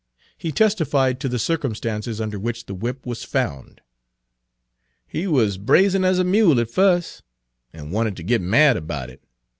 He testified to the circumstances under which the whip was found. "He wuz brazen as a mule at fust, an' wanted ter git mad about it.